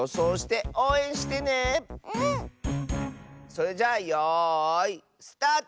それじゃあよいスタート！